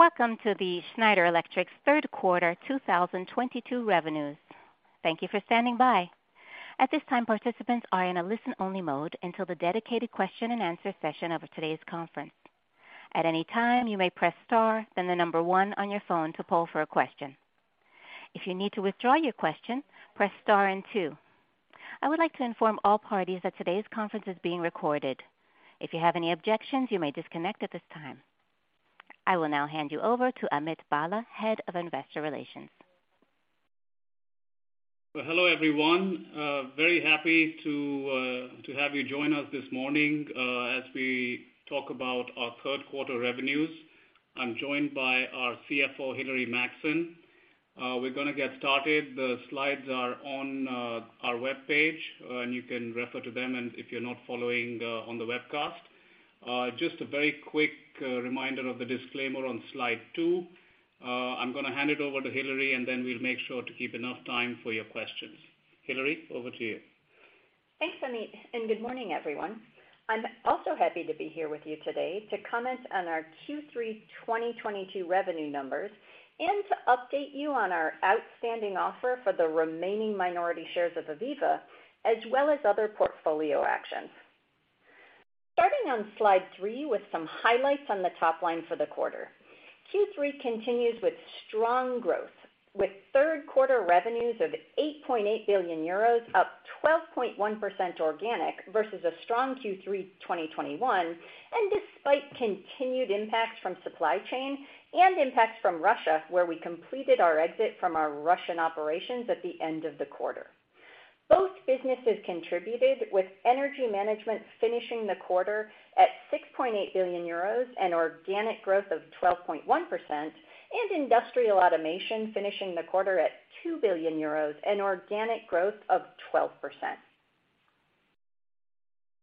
Welcome to the Schneider Electric's third quarter 2022 revenues. Thank you for standing by. At this time, participants are in a listen-only mode until the dedicated question-and-answer session of today's conference. At any time, you may press star, then the number 1 on your phone to poll for a question. If you need to withdraw your question, press star and 2. I would like to inform all parties that today's conference is being recorded. If you have any objections, you may disconnect at this time. I will now hand you over to Amit Bhalla, Head of Investor Relations. Well, hello, everyone. Very happy to have you join us this morning as we talk about our third quarter revenues. I'm joined by our CFO, Hilary Maxson. We're gonna get started. The slides are on our webpage, and you can refer to them if you're not following on the webcast. Just a very quick reminder of the disclaimer on slide two. I'm gonna hand it over to Hilary, and then we'll make sure to keep enough time for your questions. Hilary, over to you. Thanks, Amit, and good morning, everyone. I'm also happy to be here with you today to comment on our Q3 2022 revenue numbers and to update you on our outstanding offer for the remaining minority shares of AVEVA, as well as other portfolio actions. Starting on slide three with some highlights on the top line for the quarter. Q3 continues with strong growth, with third quarter revenues of 8.8 billion euros, up 12.1% organic versus a strong Q3 2021, and despite continued impacts from supply chain and impacts from Russia, where we completed our exit from our Russian operations at the end of the quarter. Both businesses contributed, with energy management finishing the quarter at 6.8 billion euros and organic growth of 12.1%, and industrial automation finishing the quarter at 2 billion euros and organic growth of 12%.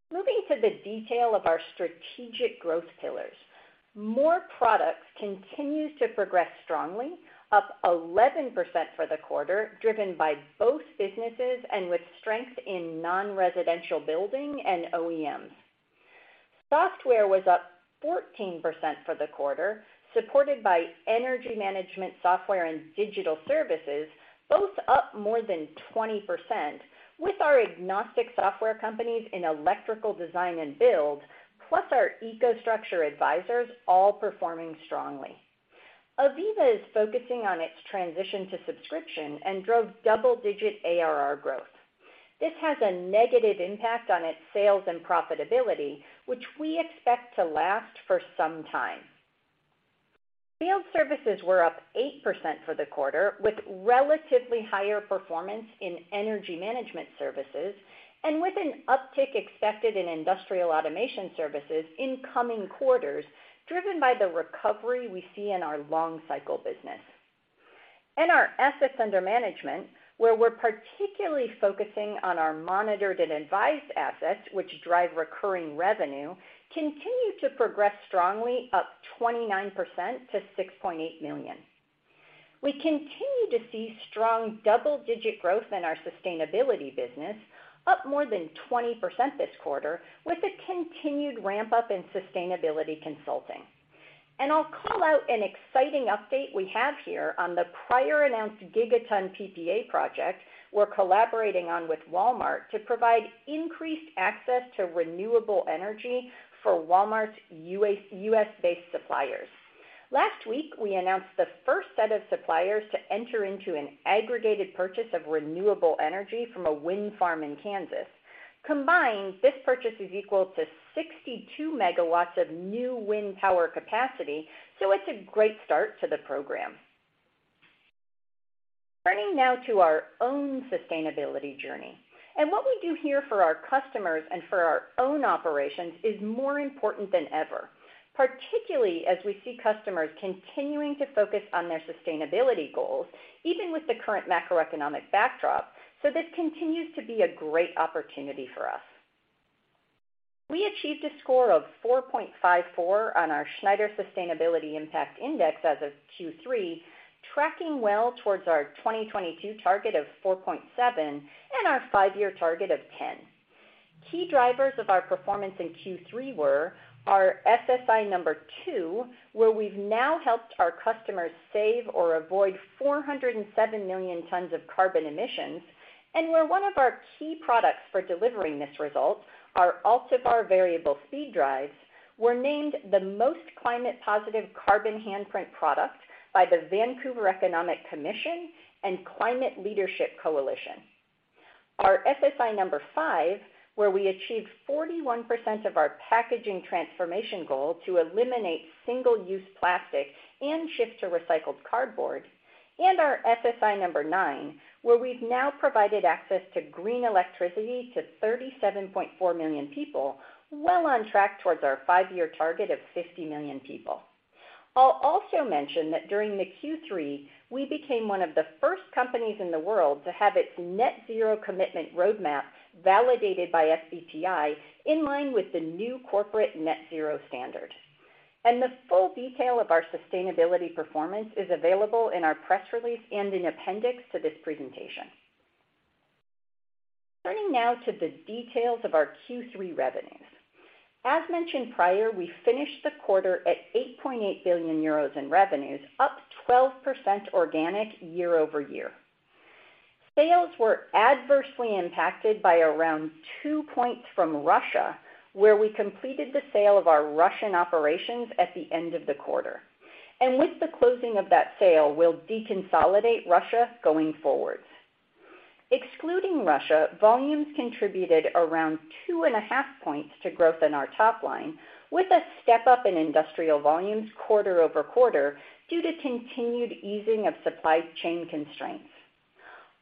Moving to the detail of our strategic growth pillars. More products continues to progress strongly, up 11% for the quarter, driven by both businesses and with strength in non-residential building and OEMs. Software was up 14% for the quarter, supported by energy management software and digital services, both up more than 20%, with our agnostic software companies in electrical design and build, plus our EcoStruxure advisors all performing strongly. AVEVA is focusing on its transition to subscription and drove double-digit ARR growth. This has a negative impact on its sales and profitability, which we expect to last for some time. Field services were up 8% for the quarter, with relatively higher performance in energy management services and with an uptick expected in industrial automation services in coming quarters, driven by the recovery we see in our long cycle business. In our assets under management, where we're particularly focusing on our monitored and advised assets, which drive recurring revenue, continue to progress strongly, up 29% to 6.8 million. We continue to see strong double-digit growth in our sustainability business, up more than 20% this quarter, with a continued ramp-up in sustainability consulting. I'll call out an exciting update we have here on the prior announced Gigaton PPA project we're collaborating on with Walmart to provide increased access to renewable energy for Walmart's U.S.-based suppliers. Last week, we announced the first set of suppliers to enter into an aggregated purchase of renewable energy from a wind farm in Kansas. Combined, this purchase is equal to 62 MW of new wind power capacity, so it's a great start to the program. Turning now to our own sustainability journey, and what we do here for our customers and for our own operations is more important than ever, particularly as we see customers continuing to focus on their sustainability goals, even with the current macroeconomic backdrop. This continues to be a great opportunity for us. We achieved a score of 4.54 on our Schneider Sustainability Impact Index as of Q3, tracking well towards our 2022 target of 4.7 and our five-year target of 10. Key drivers of our performance in Q3 were our FSI number two, where we've now helped our customers save or avoid 407 million tons of carbon emissions, and where one of our key products for delivering this result, our Altivar variable speed drives, were named the most climate positive carbon handprint product by the Vancouver Economic Commission and Climate Leadership Coalition. Our FSI number five, where we achieved 41% of our packaging transformation goal to eliminate single-use plastic and shift to recycled cardboard. Our FSI number nine, where we've now provided access to green electricity to 37.4 million people, well on track towards our five-year target of 50 million people. I'll also mention that during the Q3, we became one of the first companies in the world to have its net zero commitment roadmap validated by SBTi in line with the new corporate net zero standard. The full detail of our sustainability performance is available in our press release and in appendix to this presentation. Turning now to the details of our Q3 revenues. As mentioned prior, we finished the quarter at 8.8 billion euros in revenues, up 12% organic YoY. Sales were adversely impacted by around 2% from Russia, where we completed the sale of our Russian operations at the end of the quarter. With the closing of that sale, we'll deconsolidate Russia going forward. Excluding Russia, volumes contributed around 2.5 points to growth in our top line, with a step-up in industrial volumes QoQ due to continued easing of supply chain constraints.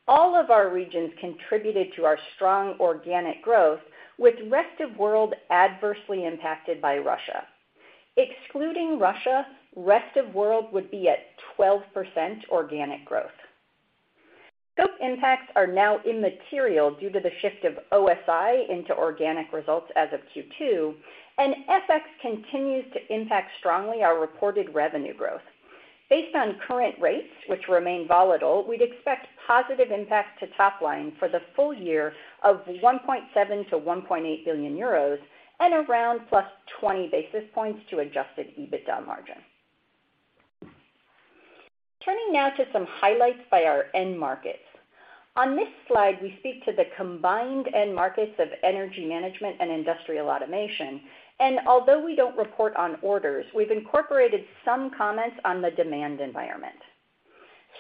All of our regions contributed to our strong organic growth, with rest of world adversely impacted by Russia. Excluding Russia, rest of world would be at 12% organic growth. Scope impacts are now immaterial due to the shift of OSI into organic results as of Q2, and FX continues to impact strongly our reported revenue growth. Based on current rates, which remain volatile, we'd expect positive impact to top line for the full year of 1.7 billion-1.8 billion euros, and around plus 20 basis points to adjusted EBITDA margin. Turning now to some highlights by our end markets. On this slide, we speak to the combined end markets of Energy Management and Industrial Automation. Although we don't report on orders, we've incorporated some comments on the demand environment.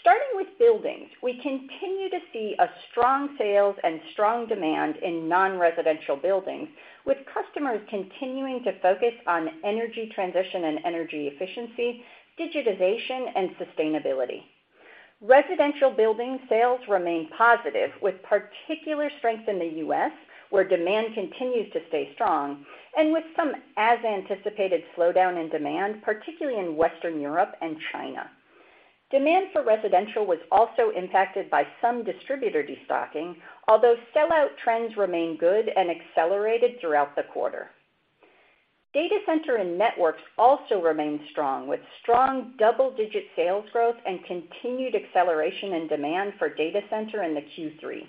Starting with buildings, we continue to see a strong sales and strong demand in non-residential buildings, with customers continuing to focus on energy transition and energy efficiency, digitization, and sustainability. Residential building sales remain positive, with particular strength in the US, where demand continues to stay strong, and with some as-anticipated slowdown in demand, particularly in Western Europe and China. Demand for residential was also impacted by some distributor destocking, although sell-out trends remain good and accelerated throughout the quarter. Data Center and networks also remain strong, with strong double-digit sales growth and continued acceleration in demand for Data Center in the Q3.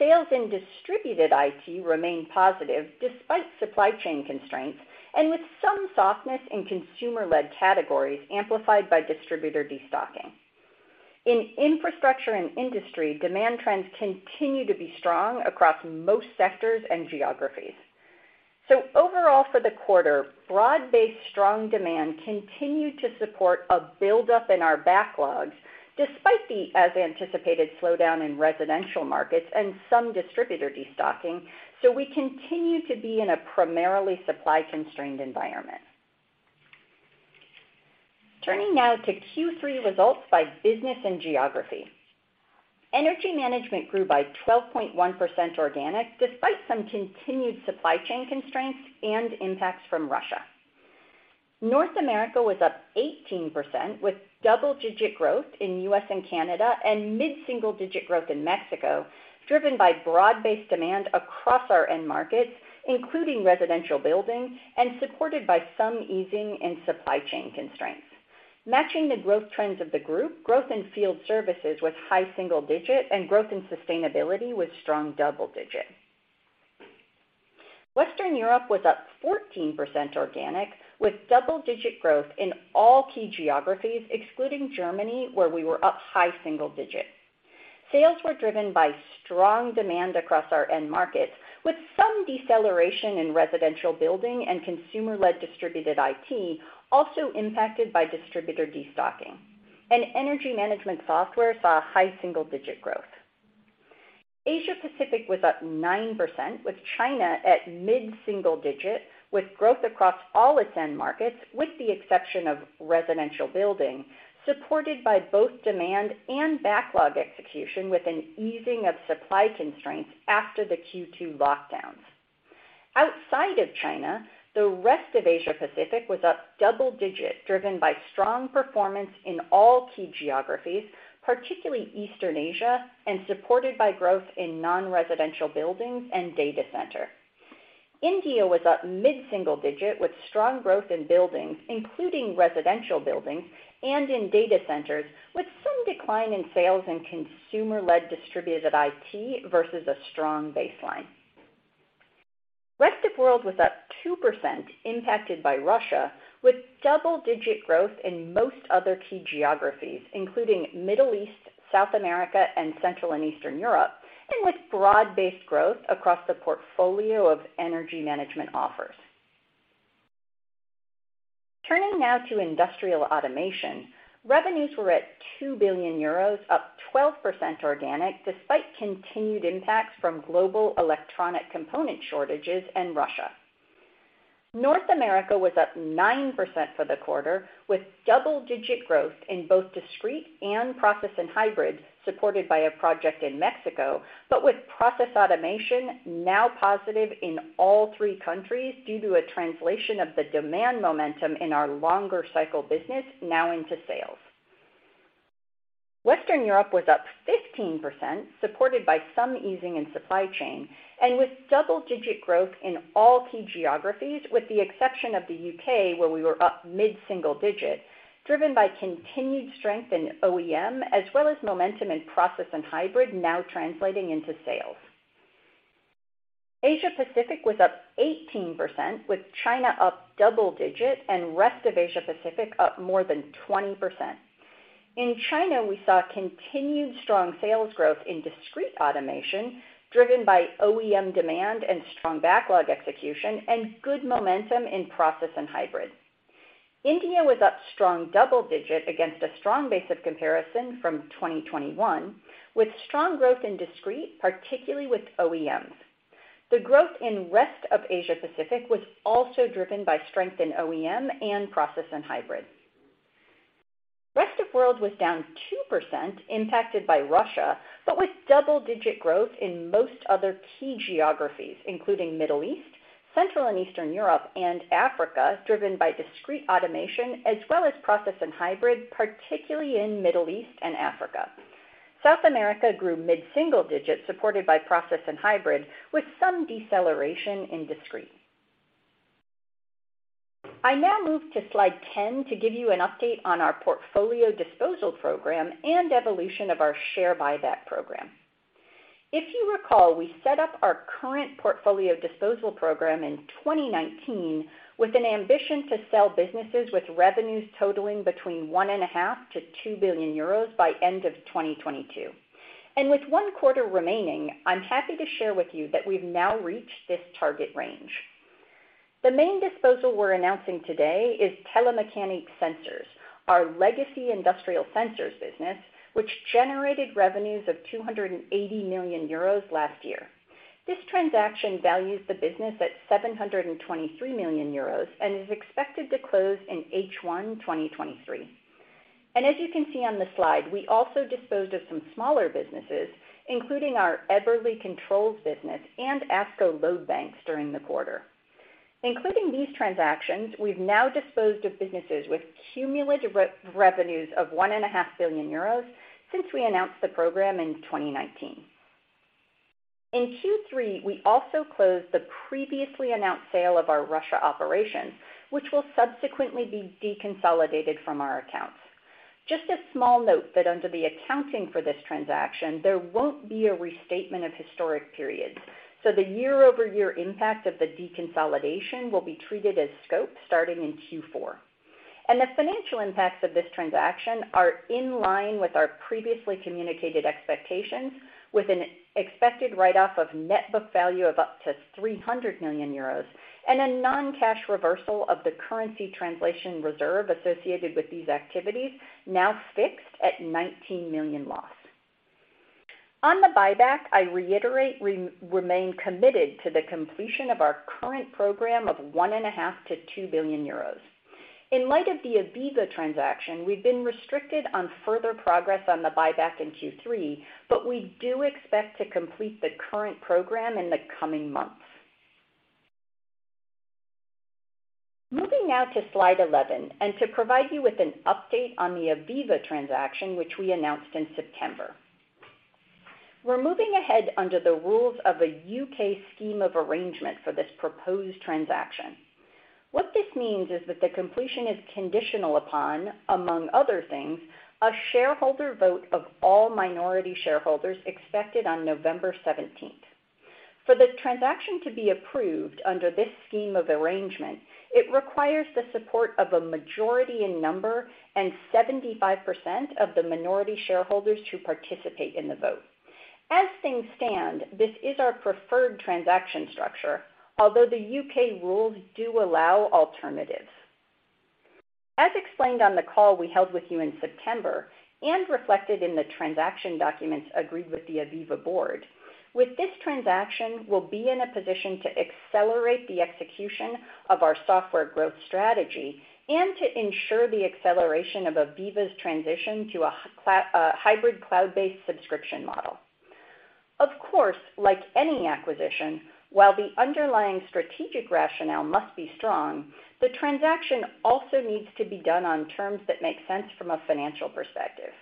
Sales in distributed IT remain positive despite supply chain constraints, and with some softness in consumer-led categories amplified by distributor destocking. In infrastructure and industry, demand trends continue to be strong across most sectors and geographies. Overall for the quarter, broad-based strong demand continued to support a buildup in our backlogs despite the as-anticipated slowdown in residential markets and some distributor destocking. We continue to be in a primarily supply-constrained environment. Turning now to Q3 results by business and geography. Energy Management grew by 12.1% organic despite some continued supply chain constraints and impacts from Russia. North America was up 18% with double-digit growth in U.S. and Canada and mid-single-digit growth in Mexico, driven by broad-based demand across our end markets, including residential buildings, and supported by some easing in supply chain constraints. Matching the growth trends of the group, growth in field services was high single-digit, and growth in sustainability was strong double-digit. Western Europe was up 14% organic, with double-digit growth in all key geographies, excluding Germany, where we were up high single-digit. Sales were driven by strong demand across our end markets, with some deceleration in residential building and consumer-led distributed IT also impacted by distributor destocking. Energy management software saw high single-digit growth. Asia Pacific was up 9%, with China at mid-single-digit, with growth across all its end markets, with the exception of residential building, supported by both demand and backlog execution with an easing of supply constraints after the Q2 lockdowns. Outside of China, the rest of Asia Pacific was up double-digit, driven by strong performance in all key geographies, particularly Eastern Asia, and supported by growth in non-residential buildings and Data Center. India was up mid-single-digit, with strong growth in buildings, including residential buildings, and in Data Centers, with some decline in sales in consumer-led distributed IT versus a strong baseline. Rest of World was up 2%, impacted by Russia, with double-digit growth in most other key geographies, including Middle East, South America, and Central and Eastern Europe, and with broad-based growth across the portfolio of Energy Management offers. Turning now to Industrial Automation, revenues were at 2 billion euros, up 12% organic despite continued impacts from global electronic component shortages and Russia. North America was up 9% for the quarter, with double-digit growth in both discrete and process and hybrid, supported by a project in Mexico, but with process automation now positive in all three countries due to a translation of the demand momentum in our longer cycle business now into sales. Western Europe was up 15%, supported by some easing in supply chain, and with double-digit growth in all key geographies, with the exception of the U.K., where we were up mid-single-digit, driven by continued strength in OEM as well as momentum in process and hybrid now translating into sales. Asia Pacific was up 18%, with China up double-digit and rest of Asia Pacific up more than 20%. In China, we saw continued strong sales growth in discrete automation, driven by OEM demand and strong backlog execution and good momentum in process and hybrid. India was up strong double-digit against a strong base of comparison from 2021, with strong growth in discrete, particularly with OEMs. The growth in rest of Asia Pacific was also driven by strength in OEM and process and hybrid. Rest of world was down 2% impacted by Russia, but with double-digit growth in most other key geographies, including Middle East, Central and Eastern Europe, and Africa, driven by discrete automation as well as process and hybrid, particularly in Middle East and Africa. South America grew mid-single-digit, supported by process and hybrid, with some deceleration in discrete. I now move to slide 10 to give you an update on our portfolio disposal program and evolution of our share buyback program. If you recall, we set up our current portfolio disposal program in 2019 with an ambition to sell businesses with revenues totaling between 1.5 billion and 2 billion euros by end of 2022. With one quarter remaining, I'm happy to share with you that we've now reached this target range. The main disposal we're announcing today is Telemecanique Sensors, our legacy industrial sensors business, which generated revenues of 280 million euros last year. This transaction values the business at 723 million euros and is expected to close in H1 2023. As you can see on the slide, we also disposed of some smaller businesses, including our Eberle Controls business and ASCO Load Banks during the quarter. Including these transactions, we've now disposed of businesses with cumulative revenues of 1.5 billion euros since we announced the program in 2019. In Q3, we also closed the previously announced sale of our Russia operation, which will subsequently be deconsolidated from our accounts. Just a small note that under the accounting for this transaction, there won't be a restatement of historic periods. The YoY impact of the deconsolidation will be treated as scope starting in Q4. The financial impacts of this transaction are in line with our previously communicated expectations, with an expected write-off of net book value of up to 300 million euros and a non-cash reversal of the currency translation reserve associated with these activities now fixed at 19 million loss. On the buyback, I reiterate we remain committed to the completion of our current program of 1.5 billion-2 billion euros. In light of the AVEVA transaction, we've been restricted on further progress on the buyback in Q3, but we do expect to complete the current program in the coming months. Moving now to slide 11, and to provide you with an update on the AVEVA transaction, which we announced in September. We're moving ahead under the rules of a U.K. scheme of arrangement for this proposed transaction. What this means is that the completion is conditional upon, among other things, a shareholder vote of all minority shareholders expected on November 17th. For the transaction to be approved under this scheme of arrangement, it requires the support of a majority in number and 75% of the minority shareholders to participate in the vote. As things stand, this is our preferred transaction structure, although the UK rules do allow alternatives. As explained on the call we held with you in September and reflected in the transaction documents agreed with the AVEVA board, with this transaction, we'll be in a position to accelerate the execution of our software growth strategy and to ensure the acceleration of AVEVA's transition to a hybrid cloud-based subscription model. Of course, like any acquisition, while the underlying strategic rationale must be strong, the transaction also needs to be done on terms that make sense from a financial perspective.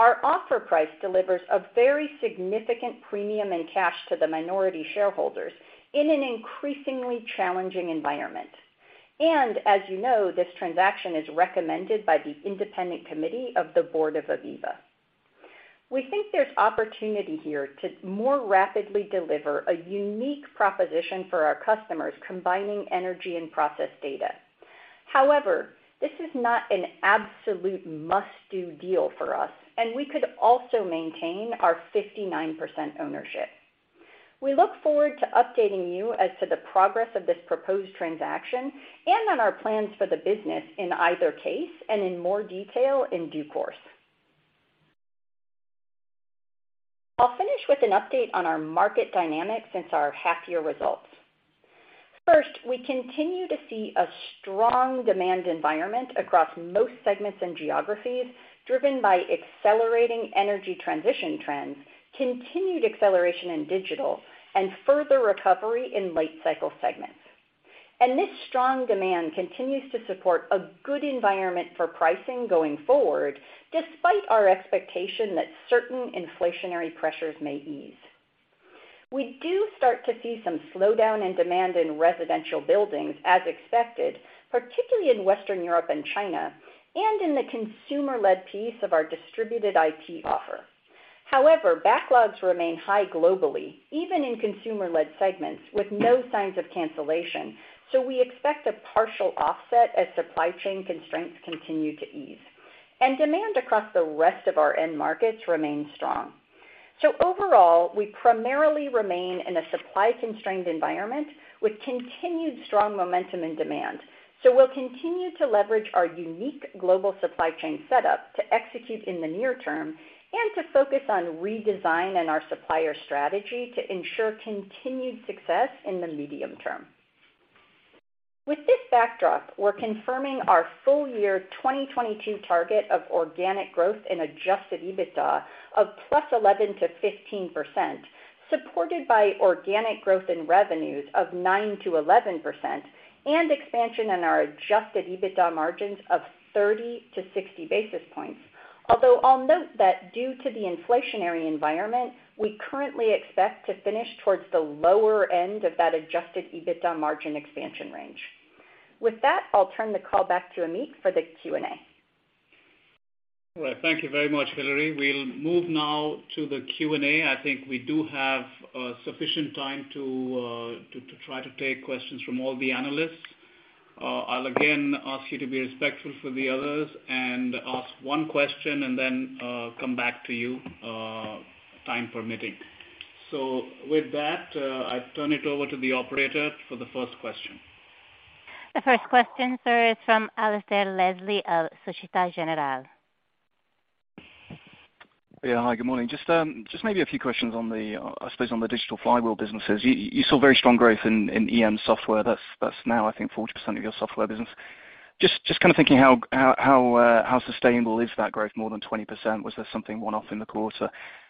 Our offer price delivers a very significant premium in cash to the minority shareholders in an increasingly challenging environment. As you know, this transaction is recommended by the independent committee of the board of AVEVA. We think there's opportunity here to more rapidly deliver a unique proposition for our customers combining energy and process data. However, this is not an absolute must-do deal for us, and we could also maintain our 59% ownership. We look forward to updating you as to the progress of this proposed transaction and on our plans for the business in either case and in more detail in due course. I'll finish with an update on our market dynamics since our half year results. First, we continue to see a strong demand environment across most segments and geographies, driven by accelerating energy transition trends, continued acceleration in digital, and further recovery in late cycle segments. This strong demand continues to support a good environment for pricing going forward, despite our expectation that certain inflationary pressures may ease. We do start to see some slowdown in demand in residential buildings, as expected, particularly in Western Europe and China, and in the consumer-led piece of our distributed IT offer. However, backlogs remain high globally, even in consumer-led segments with no signs of cancellation. We expect a partial offset as supply chain constraints continue to ease. Demand across the rest of our end markets remains strong. Overall, we primarily remain in a supply-constrained environment with continued strong momentum and demand. We'll continue to leverage our unique global supply chain setup to execute in the near term and to focus on redesign and our supplier strategy to ensure continued success in the medium term. With this backdrop, we're confirming our full year 2022 target of organic growth in adjusted EBITDA of +11%-15%, supported by organic growth in revenues of 9%-11% and expansion in our adjusted EBITDA margins of 30-60 basis points. Although I'll note that due to the inflationary environment, we currently expect to finish towards the lower end of that adjusted EBITDA margin expansion range. With that, I'll turn the call back to Amit for the Q&A. All right. Thank you very much, Hilary. We'll move now to the Q&A. I think we do have sufficient time to try to take questions from all the analysts. I'll again ask you to be respectful for the others and ask one question and then come back to you time permitting. With that, I turn it over to the operator for the first question. The first question, sir, is from Alasdair Leslie of Société Générale. Yeah. Hi, good morning. Just maybe a few questions on the, I suppose on the digital flywheel businesses. You saw very strong growth in EM software. That's now I think 40% of your software business. Just kind of thinking how sustainable is that growth more than 20%? Was there something one-off in the quarter?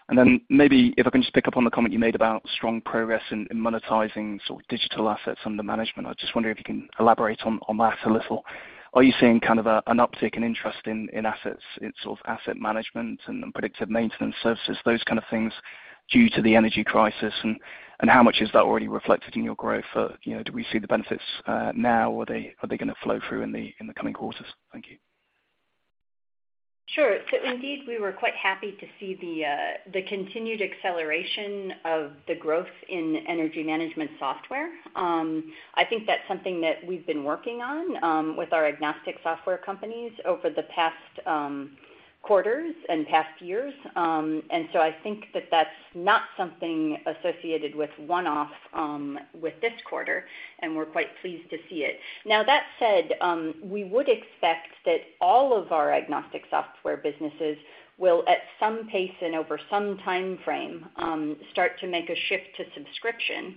And then maybe if I can just pick up on the comment you made about strong progress in monetizing sort of digital assets under management. I'm just wondering if you can elaborate on that a little. Are you seeing kind of an uptick in interest in assets in sort of asset management and predictive maintenance services, those kind of things, due to the energy crisis? And how much is that already reflected in your growth? You know, do we see the benefits now, or are they gonna flow through in the coming quarters? Thank you. Sure. Indeed, we were quite happy to see the continued acceleration of the growth in energy management software. I think that's something that we've been working on with our agnostic software companies over the past quarters and past years. I think that that's not something associated with one-off with this quarter, and we're quite pleased to see it. Now, that said, we would expect that all of our agnostic software businesses will, at some pace and over some timeframe, start to make a shift to subscription.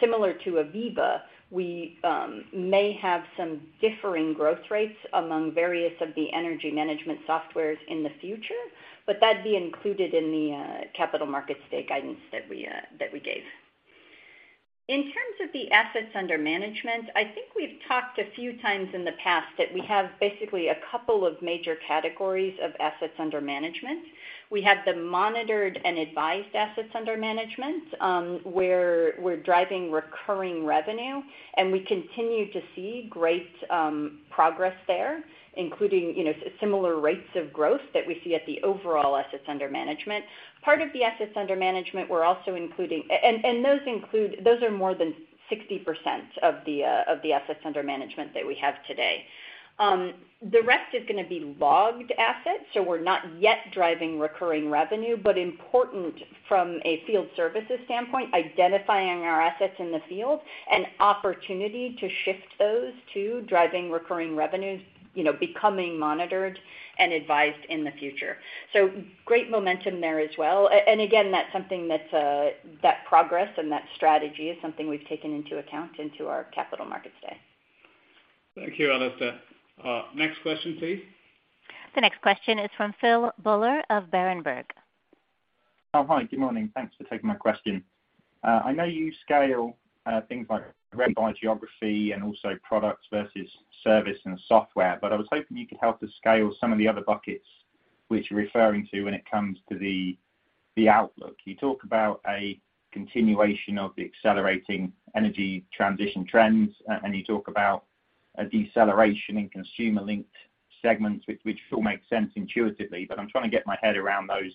Similar to AVEVA, we may have some differing growth rates among various of the energy management softwares in the future, but that'd be included in the Capital Markets Day guidance that we gave. In terms of the assets under management, I think we've talked a few times in the past that we have basically a couple of major categories of assets under management. We have the monitored and advised assets under management, where we're driving recurring revenue, and we continue to see great progress there, including, you know, similar rates of growth that we see at the overall assets under management. Part of the assets under management, we're also including those are more than 60% of the assets under management that we have today. The rest is gonna be logged assets, so we're not yet driving recurring revenue, but important from a field services standpoint, identifying our assets in the field and opportunity to shift those to driving recurring revenues, you know, becoming monitored and advised in the future. Great momentum there as well. Again, that's something that progress and that strategy is something we've taken into account our Capital Markets Day. Thank you, Alasdair. Next question, please. The next question is from Philip Buller of Berenberg. Oh, hi, good morning. Thanks for taking my question. I know you scale things like rev by geography and also products versus service and software, but I was hoping you could help us scale some of the other buckets which you're referring to when it comes to the outlook. You talk about a continuation of the accelerating energy transition trends, and you talk about a deceleration in consumer-linked segments, which all makes sense intuitively, but I'm trying to get my head around those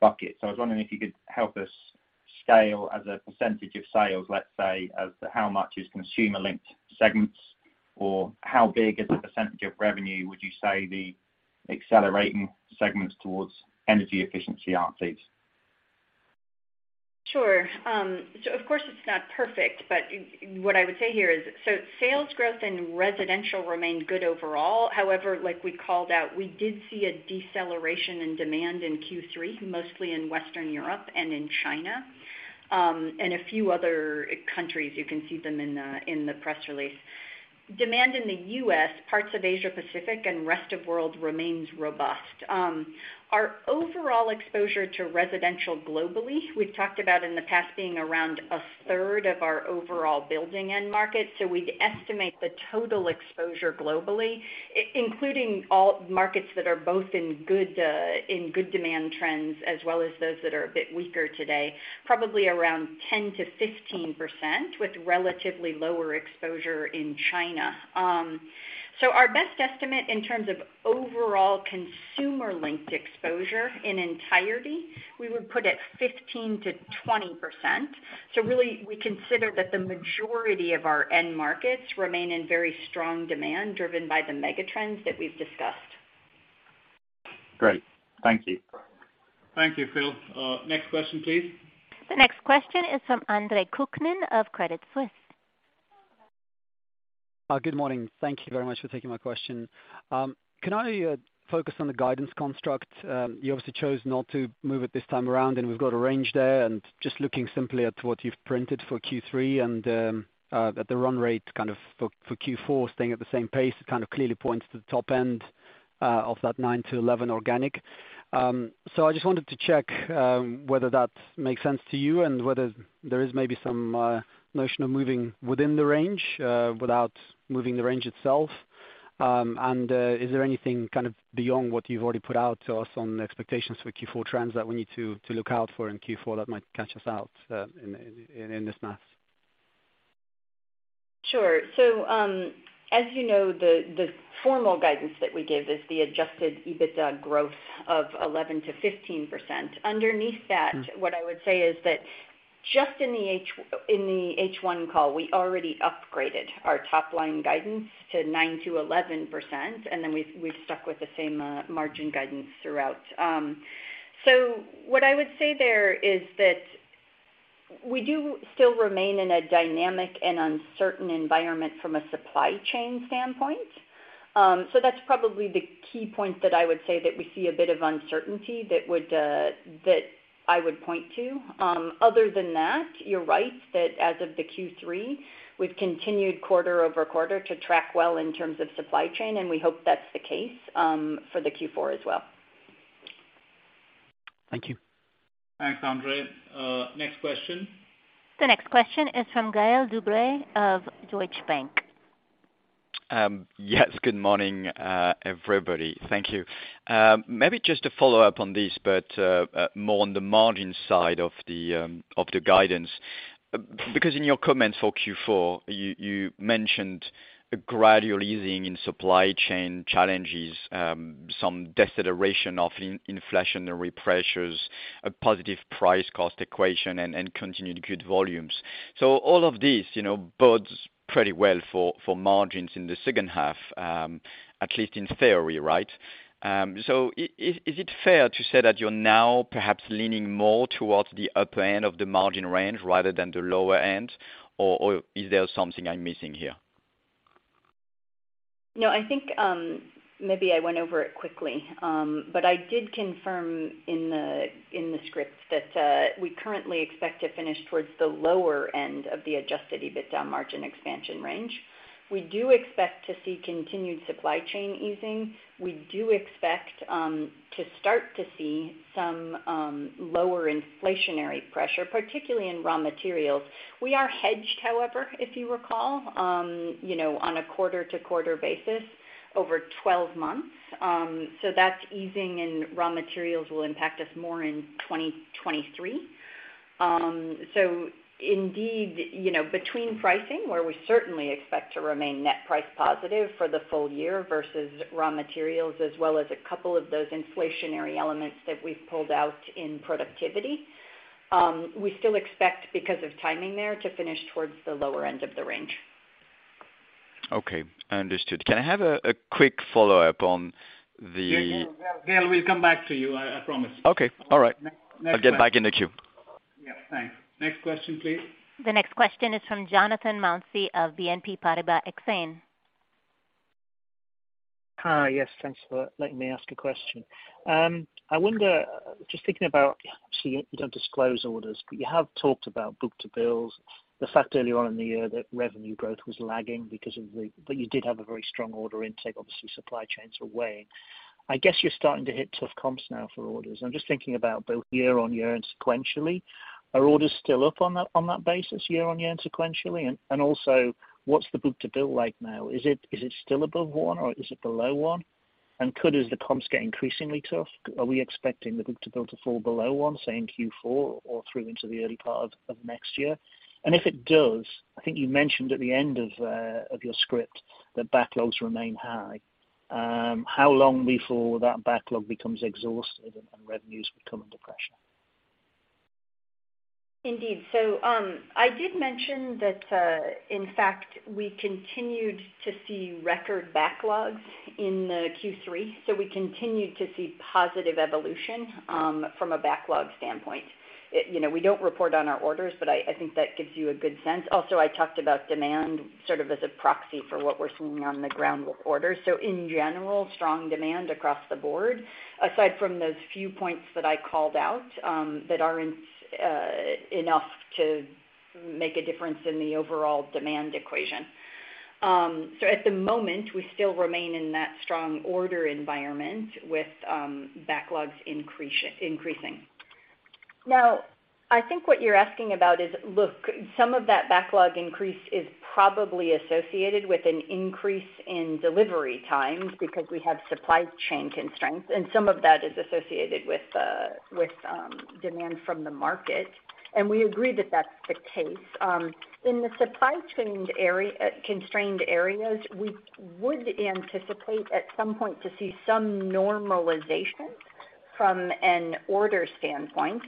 buckets. I was wondering if you could help us scale as a percentage of sales, let's say, of how much is consumer-linked segments, or how big as a percentage of revenue would you say the accelerating segments towards energy efficiency are, please? Sure. Of course, it's not perfect, but what I would say here is, sales growth in residential remained good overall. However, like we called out, we did see a deceleration in demand in Q3, mostly in Western Europe and in China, and a few other countries. You can see them in the press release. Demand in the U.S., parts of Asia Pacific and rest of world remains robust. Our overall exposure to residential globally, we've talked about in the past being around a third of our overall building end market. We'd estimate the total exposure globally, including all markets that are both in good demand trends, as well as those that are a bit weaker today, probably around 10%-15%, with relatively lower exposure in China. Our best estimate in terms of overall consumer-linked exposure in entirety, we would put at 15%-20%. Really, we consider that the majority of our end markets remain in very strong demand, driven by the mega trends that we've discussed. Great. Thank you. Thank you, Phil. Next question, please. The next question is from Andre Kukhnin of Credit Suisse. Good morning. Thank you very much for taking my question. Can I focus on the guidance construct? You obviously chose not to move it this time around, and we've got a range there. Just looking simply at what you've printed for Q3 and at the run rate kind of for Q4 staying at the same pace, it kind of clearly points to the top end of that 9%-11% organic. So I just wanted to check whether that makes sense to you and whether there is maybe some notion of moving within the range without moving the range itself. Is there anything kind of beyond what you've already put out to us on the expectations for Q4 trends that we need to look out for in Q4 that might catch us out in this math? Sure. As you know, the formal guidance that we give is the adjusted EBITDA growth of 11%-15%. Underneath that. Mm-hmm. What I would say is that just in the H1 call, we already upgraded our top-line guidance to 9%-11%, and then we've stuck with the same margin guidance throughout. What I would say there is that we do still remain in a dynamic and uncertain environment from a supply chain standpoint. That's probably the key point that I would say that we see a bit of uncertainty that I would point to. Other than that, you're right, that as of the Q3, we've continued QoQ to track well in terms of supply chain, and we hope that's the case for the Q4 as well. Thank you. Thanks, Andre. Next question. The next question is from Gaël De Bray of Deutsche Bank. Yes, good morning, everybody. Thank you. Maybe just to follow up on this, more on the margin side of the guidance. Because in your comments for Q4, you mentioned a gradual easing in supply chain challenges, some deceleration of inflationary pressures, a positive price cost equation and continued good volumes. All of this, you know, bodes pretty well for margins in the second half, at least in theory, right? Is it fair to say that you're now perhaps leaning more towards the upper end of the margin range rather than the lower end or is there something I'm missing here? No, I think, maybe I went over it quickly. I did confirm in the script that we currently expect to finish towards the lower end of the adjusted EBITDA margin expansion range. We do expect to see continued supply chain easing. We do expect to start to see some lower inflationary pressure, particularly in raw materials. We are hedged, however, if you recall, you know, on a quarter-to-quarter basis over 12 months. That easing in raw materials will impact us more in 2023. Indeed, you know, between pricing, where we certainly expect to remain net price positive for the full year versus raw materials, as well as a couple of those inflationary elements that we've pulled out in productivity, we still expect because of timing there, to finish towards the lower end of the range. Okay, understood. Can I have a quick follow-up on the Yes, Gaël, we'll come back to you, I promise. Okay. All right. Next time. I'll get back in the queue. Yeah. Thanks. Next question, please. The next question is from Jonathan Mounsey of BNP Paribas Exane. Hi. Yes, thanks for letting me ask a question. I wonder, just thinking about, obviously you don't disclose orders, but you have talked about book-to-bills. The fact earlier on in the year that revenue growth was lagging. But you did have a very strong order intake. Obviously, supply chains were weighing. I guess you're starting to hit tough comps now for orders. I'm just thinking about both year-on-year and sequentially. Are orders still up on that basis year-on-year and sequentially? Also, what's the book-to-bill like now? Is it still above one or is it below one? Could, as the comps get increasingly tough, we expect the book-to-bill to fall below one, say in Q4 or through into the early part of next year? If it does, I think you mentioned at the end of your script that backlogs remain high. How long before that backlog becomes exhausted and revenues become under pressure? Indeed. I did mention that, in fact we continued to see record backlogs in the Q3. We continued to see positive evolution from a backlog standpoint. You know, we don't report on our orders, but I think that gives you a good sense. Also, I talked about demand sort of as a proxy for what we're seeing on the ground with orders. In general, strong demand across the board, aside from those few points that I called out, that aren't enough to make a difference in the overall demand equation. At the moment, we still remain in that strong order environment with backlogs increasing. Now, I think what you're asking about is, look, some of that backlog increase is probably associated with an increase in delivery times because we have supply chain constraints, and some of that is associated with demand from the market, and we agree that that's the case. In the constrained areas, we would anticipate at some point to see some normalization. From an order standpoint,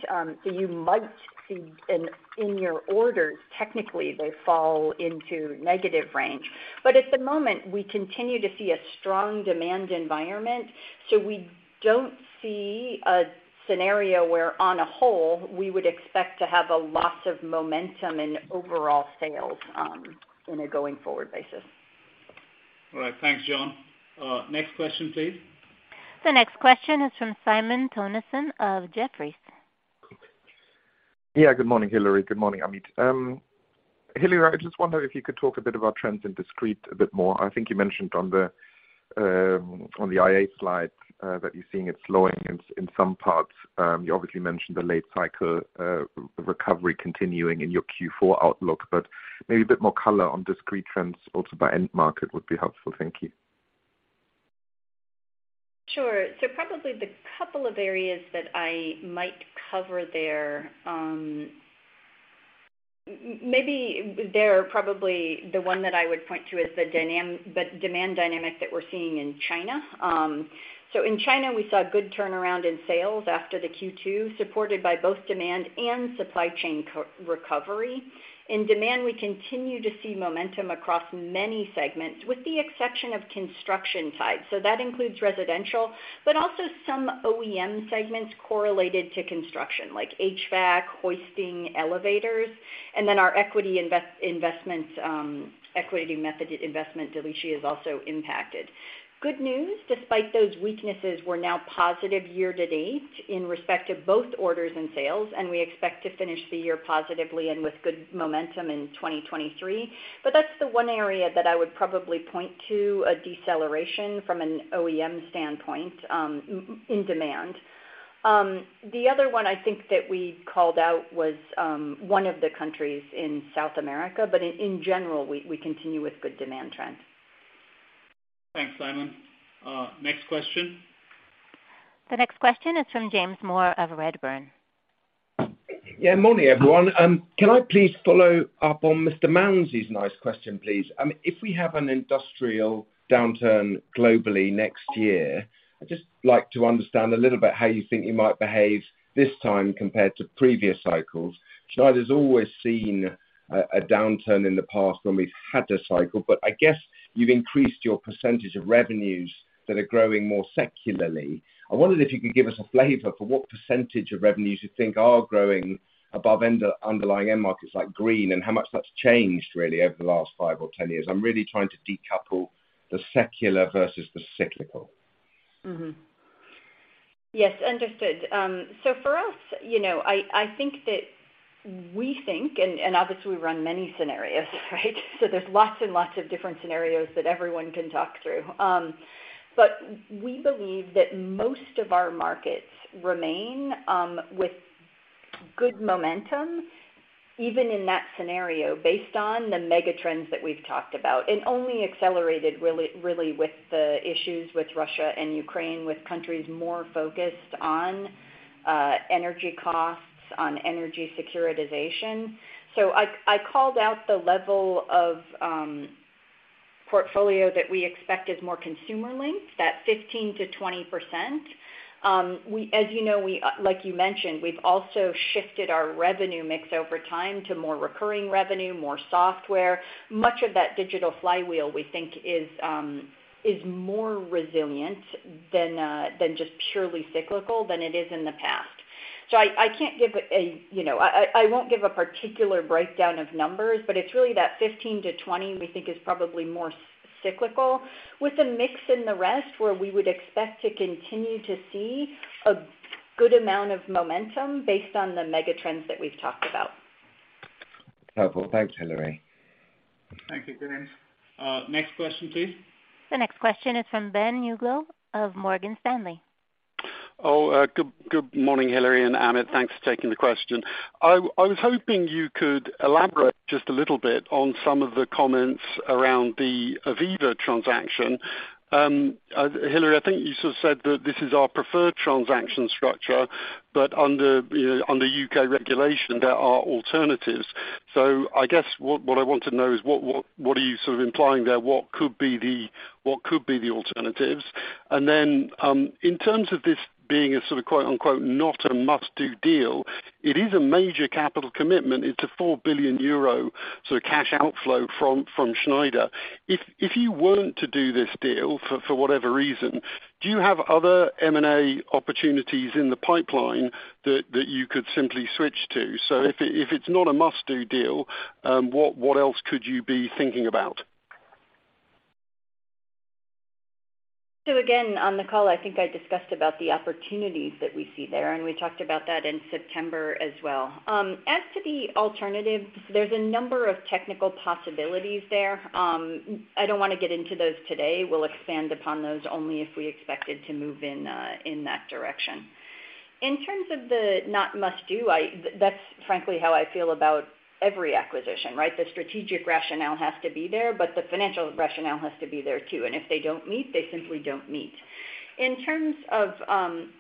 you might see in your orders, technically they fall into negative range. But at the moment, we continue to see a strong demand environment, so we don't see a scenario where on the whole, we would expect to have a loss of momentum in overall sales, in a going forward basis. All right. Thanks, John. Next question, please. The next question is from Simon Toennessen of Jefferies. Yeah, good morning, Hilary. Good morning, Amit. Hilary, I just wonder if you could talk a bit about trends in discrete a bit more. I think you mentioned on the IA slide that you're seeing it slowing in some parts. You obviously mentioned the late cycle recovery continuing in your Q4 outlook, but maybe a bit more color on discrete trends also by end market would be helpful. Thank you. Sure. Probably the couple of areas that I might cover there, maybe there are probably the one that I would point to is the demand dynamic that we're seeing in China. In China, we saw good turnaround in sales after the Q2, supported by both demand and supply chain recovery. In demand, we continue to see momentum across many segments, with the exception of construction side. That includes residential, but also some OEM segments correlated to construction, like HVAC, hoisting elevators, and then our equity investment, equity method investment Delixi is also impacted. Good news, despite those weaknesses, we're now positive year to date in respect to both orders and sales, and we expect to finish the year positively and with good momentum in 2023. That's the one area that I would probably point to a deceleration from an OEM standpoint in demand. The other one I think that we called out was one of the countries in South America, but in general, we continue with good demand trends. Thanks, Simon. Next question. The next question is from James Moore of Redburn. Morning, everyone. Can I please follow up on Jonathan Mounsey's question, please? I mean, if we have an industrial downturn globally next year, I'd just like to understand a little about how you think you might behave this time compared to previous cycles. Schneider's always seen a downturn in the past when we've had a cycle, but I guess you've increased your percentage of revenues that are growing more secularly. I wondered if you could give us a flavor for what percentage of revenues you think are growing above and underlying end markets like green, and how much that's changed really over the last five or ten years. I'm really trying to decouple the secular versus the cyclical. Yes, understood. For us, you know, I think that we think, and obviously we run many scenarios, right? There's lots and lots of different scenarios that everyone can talk through. We believe that most of our markets remain with good momentum, even in that scenario, based on the mega trends that we've talked about, and only accelerated really, really with the issues with Russia and Ukraine, with countries more focused on energy costs, on energy security. I called out the level of portfolio that we expect is more consumer linked, that 15%-20%. As you know, like you mentioned, we've also shifted our revenue mix over time to more recurring revenue, more software. Much of that digital flywheel we think is more resilient than just purely cyclical than it is in the past. I won't give a particular breakdown of numbers, but it's really that 15%-20% we think is probably less cyclical with a mix in the rest where we would expect to continue to see a good amount of momentum based on the megatrends that we've talked about. Wonderful. Thanks, Hilary. Thank you, James. Next question, please. The next question is from Ben Uglow of Morgan Stanley. Good morning, Hilary and Amit. Thanks for taking the question. I was hoping you could elaborate just a little bit on some of the comments around the AVEVA transaction. Hilary, I think you sort of said that this is our preferred transaction structure, but under, you know, under U.K. regulation, there are alternatives. I guess what are you sort of implying there? What could be the alternatives? In terms of this being a sort of “not a must-do deal,” it is a major capital commitment. It's a 4 billion euro sort of cash outflow from Schneider. If you weren't to do this deal for whatever reason, do you have other M&A opportunities in the pipeline that you could simply switch to? If it's not a must-do deal, what else could you be thinking about? Again, on the call, I think I discussed about the opportunities that we see there, and we talked about that in September as well. As to the alternatives, there's a number of technical possibilities there. I don't wanna get into those today. We'll expand upon those only if we expected to move in that direction. In terms of the not must do, that's frankly how I feel about every acquisition, right? The strategic rationale has to be there, but the financial rationale has to be there too. If they don't meet, they simply don't meet. In terms of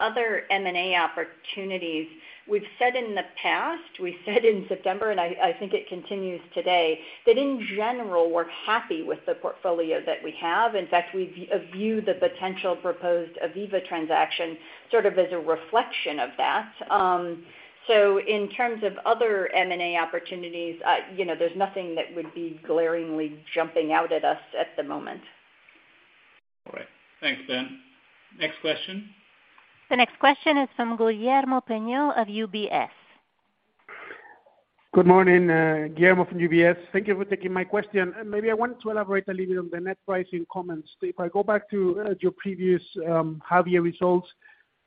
other M&A opportunities, we've said in the past, we said in September, and I think it continues today, that in general, we're happy with the portfolio that we have. In fact, we view the potential proposed AVEVA transaction sort of as a reflection of that. In terms of other M&A opportunities, you know, there's nothing that would be glaringly jumping out at us at the moment. All right. Thanks, Ben. Next question. The next question is from Guillermo Peigneux-Lojo of UBS. Good morning. Guillermo from UBS. Thank you for taking my question. Maybe I want to elaborate a little bit on the net pricing comments. If I go back to your previous half-year results,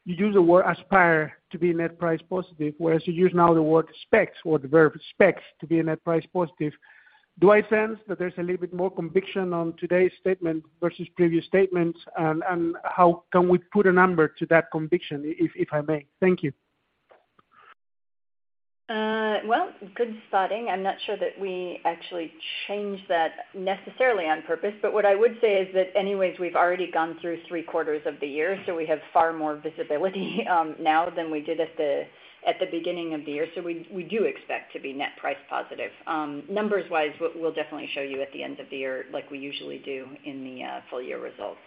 you use the word aspire to be net price positive, whereas you use now the word expect or the verb expect to be a net price positive. Do I sense that there's a little bit more conviction on today's statement versus previous statements? And how can we put a number to that conviction, if I may? Thank you. Well, good spotting. I'm not sure that we actually changed that necessarily on purpose, but what I would say is that anyways, we've already gone through three quarters of the year, so we have far more visibility now than we did at the beginning of the year. We do expect to be net price positive. Numbers-wise, we'll definitely show you at the end of the year like we usually do in the full year results.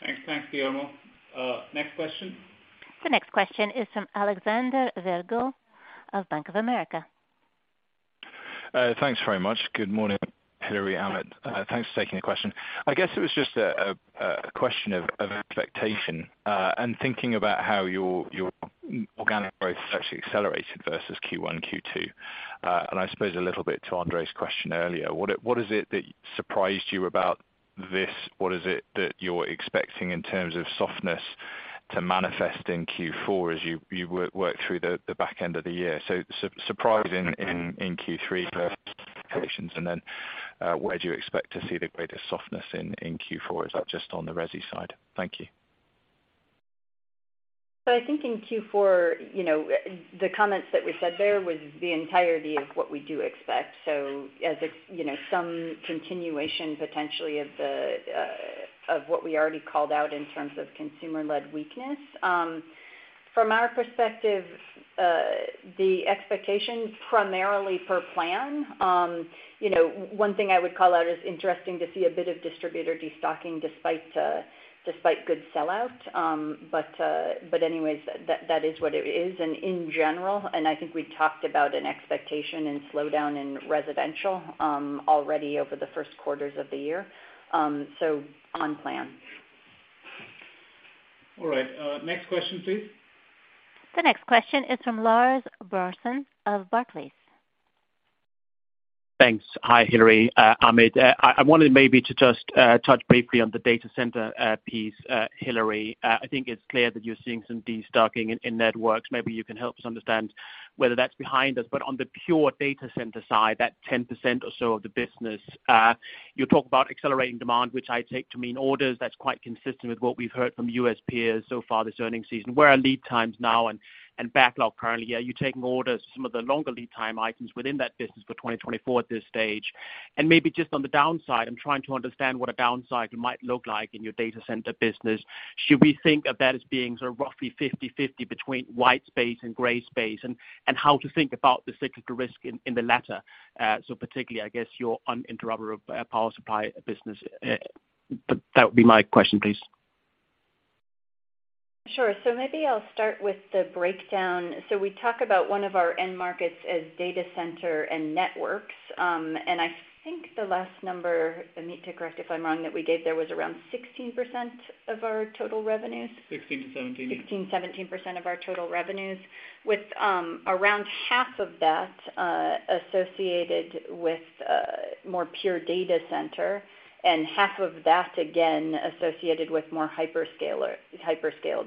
Thanks. Thanks, Guillermo. Next question. The next question is from Alexander Virgo of Bank of America. Thanks very much. Good morning, Hilary, Amit. Thanks for taking the question. I guess it was just a question of expectation, and thinking about how your inorganic growth has actually accelerated versus Q1, Q2. I suppose a little bit to Andre's question earlier, what is it that surprised you about this? What is it that you're expecting in terms of softness to manifest in Q4 as you work through the back end of the year? Surprise in Q3 versus expectations, and then, where do you expect to see the greatest softness in Q4? Is that just on the resi side? Thank you. I think in Q4, the comments that we said there were the entirety of what we expect. As is, some continuation potentially of what we already called out in terms of consumer-led weakness. From our perspective, the expectations primarily per plan. One thing I would call out is interesting to see a bit of distributor destocking despite good sell-out. Anyways, that is what it is. In general, I think we've talked about an expected slowdown in residential already over the first quarters of the year. On plan. All right. Next question, please. The next question is from Lars Brorson of Barclays. Thanks. Hi, Hilary, Amit. I wanted maybe to just touch briefly on the Data Center piece, Hilary. I think it's clear that you're seeing some destocking in networks. Maybe you can help us understand whether that's behind us. On the pure Data Center side, that 10% or so of the business, you talk about accelerating demand, which I take to mean orders. That's quite consistent with what we've heard from U.S. peers so far this earnings season. Where are lead times now and backlog currently? Are you taking orders, some of the longer lead time items within that business for 2024 at this stage? Maybe just on the downside, I'm trying to understand what a downside might look like in your Data Center business. Should we think of that as being sort of roughly 50/50 between white space and gray space, and how to think about the cyclical risk in the latter? Particularly, I guess your uninterruptible power supply business. That would be my question, please. Sure. Maybe I'll start with the breakdown. We talk about one of our end markets as Data Center and Networks. I think the last number, Amit to correct if I'm wrong, that we gave there was around 16% of our total revenues. 16%-17%. 16%-17% of our total revenues, with around half of that associated with more pure data center, and half of that again associated with more hyperscale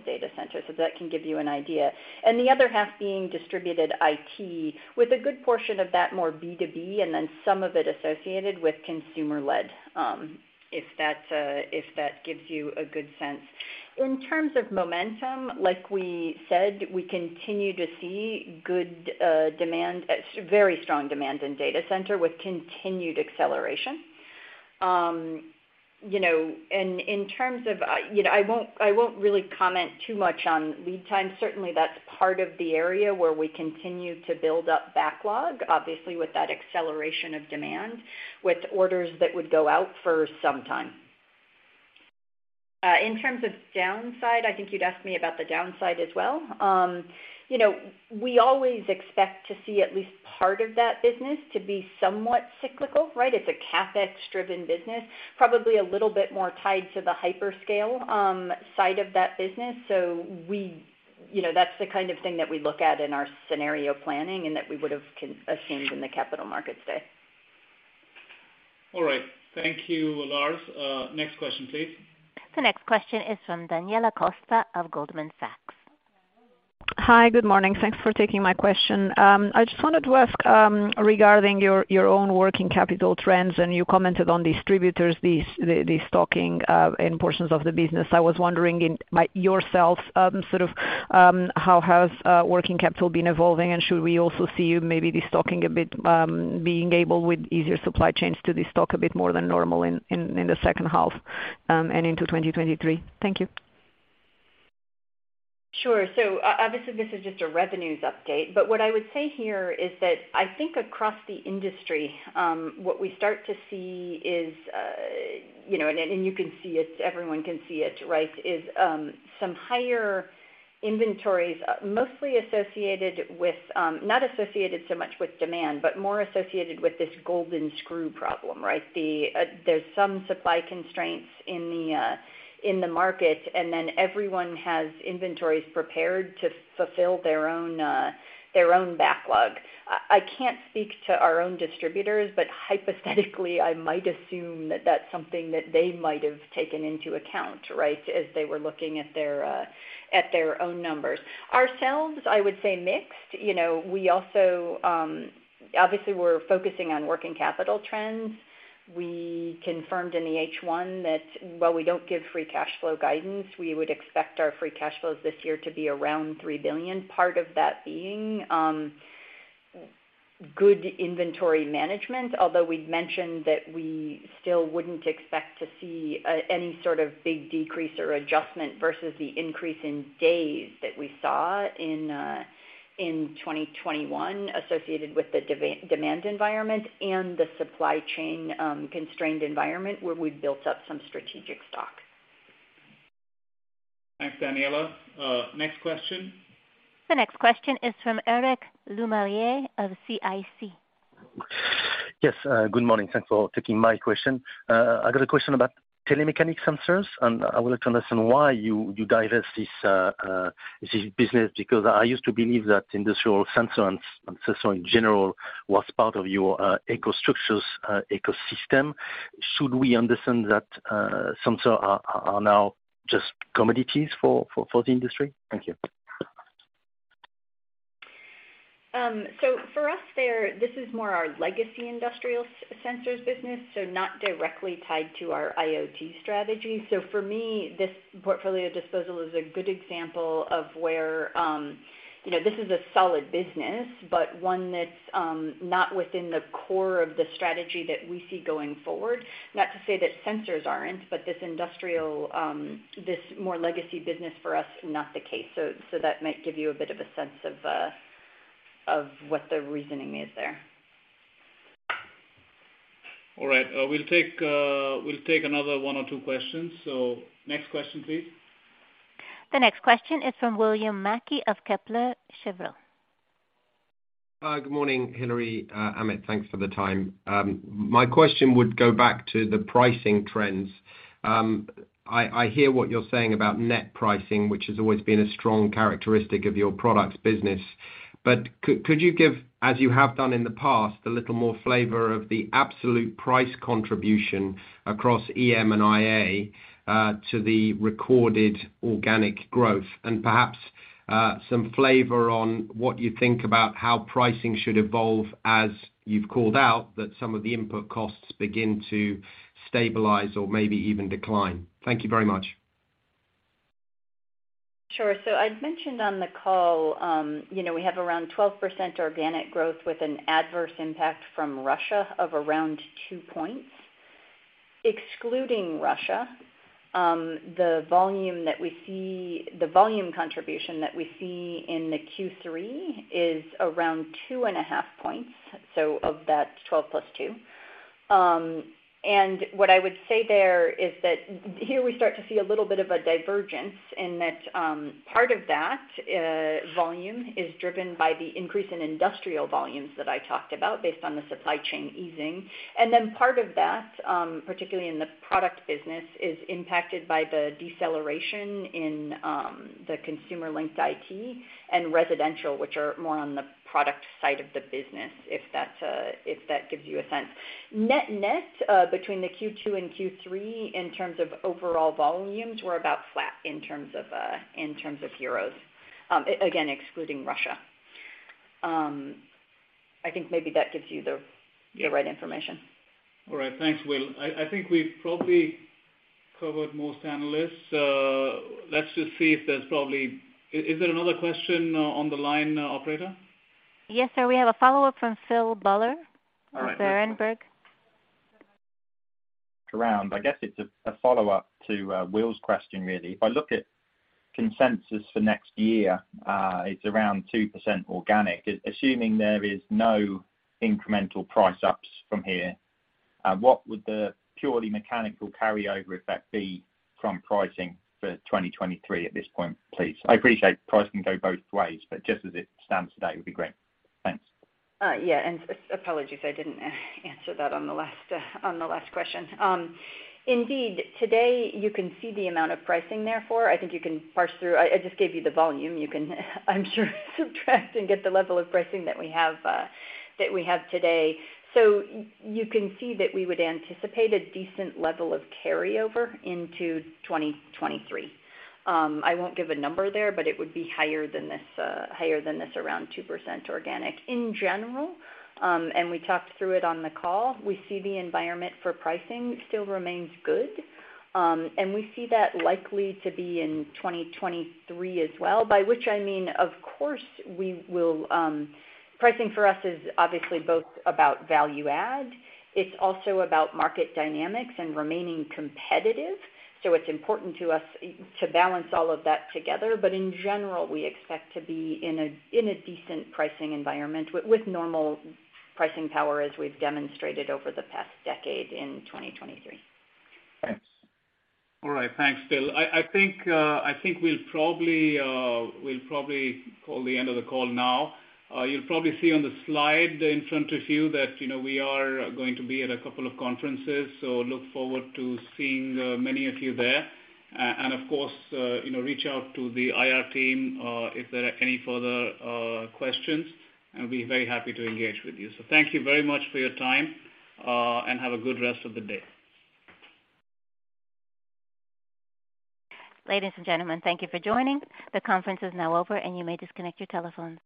data centers. That can give you an idea. The other half being distributed IT with a good portion of that more B2B and then some of it associated with consumer-led, if that gives you a good sense. In terms of momentum, like we said, we continue to see good demand, very strong demand in data center with continued acceleration. You know, in terms of, you know, I won't really comment too much on lead time. Certainly that's part of the area where we continue to build up backlog, obviously with that acceleration of demand, with orders that would go out for some time. In terms of downside, I think you'd asked me about the downside as well. You know, we always expect to see at least part of that business to be somewhat cyclical, right? It's a CapEx-driven business, probably a little bit more tied to the hyperscale side of that business. You know, that's the kind of thing that we look at in our scenario planning and that we would've assumed in the Capital Markets Day. All right. Thank you, Lars. Next question, please. The next question is from Daniela Costa of Goldman Sachs. Hi, good morning. Thanks for taking my question. I just wanted to ask regarding your own working capital trends, and you commented on distributors, the stocking in portions of the business. I was wondering by yourself sort of how has working capital been evolving, and should we also see you maybe destocking a bit, being able with easier supply chains to destock a bit more than normal in the second half and into 2023? Thank you. Sure. Obviously, this is just a revenues update, but what I would say here is that I think across the industry, what we start to see is, you know, and you can see it, everyone can see it, right? Some higher inventories, mostly associated with, not associated so much with demand, but more associated with this golden screw problem, right? There's some supply constraints in the market, and then everyone has inventories prepared to fulfill their own backlog. I can't speak to our own distributors, but hypothetically, I might assume that that's something that they might have taken into account, right? As they were looking at their own numbers. Ourselves, I would say mixed. You know, we also obviously we're focusing on working capital trends. We confirmed in the H1 that while we don't give free cash flow guidance, we would expect our free cash flows this year to be around 3 billion. Part of that being good inventory management. Although we'd mentioned that we still wouldn't expect to see any sort of big decrease or adjustment versus the increase in days that we saw in 2021 associated with the demand environment and the supply chain constrained environment where we've built up some strategic stock. Thanks, Daniela. Next question. The next question is from Eric Lemarié of CIC. Yes, good morning. Thanks for taking my question. I got a question about Telemecanique Sensors, and I would like to understand why you divest this business. Because I used to believe that industrial sensors and sensors in general were part of your EcoStruxure ecosystem. Should we understand that sensors are now just commodities for the industry? Thank you. For us there, this is more our legacy industrial sensors business, so not directly tied to our IoT strategy. For me, this portfolio disposal is a good example of where, you know, this is a solid business, but one that's not within the core of the strategy that we see going forward. Not to say that sensors aren't, but this industrial, this more legacy business for us, not the case. That might give you a bit of a sense of what the reasoning is there. All right, we'll take another one or two questions. Next question, please. The next question is from William Mackie of Kepler Cheuvreux. Good morning, Hilary, Amit, thanks for the time. My question would go back to the pricing trends. I hear what you're saying about net pricing, which has always been a strong characteristic of your products business. Could you give, as you have done in the past, a little more flavor of the absolute price contribution across EM and IA to the recorded organic growth? Perhaps some flavor on what you think about how pricing should evolve as you've called out that some of the input costs begin to stabilize or maybe even decline. Thank you very much. Sure. I'd mentioned on the call, you know, we have around 12% organic growth with an adverse impact from Russia of around 2 points. Excluding Russia, the volume contribution that we see in the Q3 is around 2.5 points, so of that 12 + 2. What I would say there is that here we start to see a little bit of a divergence in that, part of that volume is driven by the increase in industrial volumes that I talked about based on the supply chain easing. Then part of that, particularly in the product business, is impacted by the deceleration in the consumer linked IT and residential, which are more on the product side of the business, if that gives you a sense. Net, between Q2 and Q3, in terms of overall volumes, we're about flat in terms of EUR. Again, excluding Russia. I think maybe that gives you the. Yeah. The right information. All right. Thanks, Will. I think we've probably covered most analysts. Let's just see. Is there another question on the line, operator? Yes, sir. We have a follow-up from Philip Buller of Berenberg. All right. Sure. I guess it's a follow-up to Will's question, really. If I look at consensus for next year, it's around 2% organic. Assuming there is no incremental price ups from here, what would the purely mechanical carryover effect be from pricing for 2023 at this point, please? I appreciate price can go both ways, but just as it stands today would be great. Thanks. Yeah, apologies, I didn't answer that on the last question. Indeed, today you can see the amount of pricing therefore. I think you can parse through. I just gave you the volume. You can, I'm sure, subtract and get the level of pricing that we have today. You can see that we would anticipate a decent level of carryover into 2023. I won't give a number there, but it would be higher than this around 2% organic. In general, we talked through it on the call, we see the environment for pricing still remains good. We see that likely to be in 2023 as well, by which I mean, of course, we will. Pricing for us is obviously both about value add. It's also about market dynamics and remaining competitive. It's important to us to balance all of that together. In general, we expect to be in a decent pricing environment with normal pricing power as we've demonstrated over the past decade in 2023. Thanks. All right. Thanks, Phil. I think we'll probably call the end of the call now. You'll probably see on the slide in front of you that, you know, we are going to be at a couple of conferences, so look forward to seeing many of you there. Of course, you know, reach out to the IR team if there are any further questions, and we'll be very happy to engage with you. Thank you very much for your time, and have a good rest of the day. Ladies and gentlemen, thank you for joining. The conference is now over, and you may disconnect your telephones.